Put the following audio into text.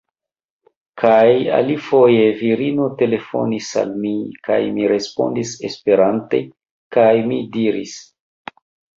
Kaj alifoje, virino telefonis al mi, kaj mi respondis Esperante, kaj mi diris: